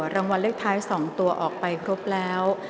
รางวัลเลขท้าย๒ตัวออกไปครบแล้ว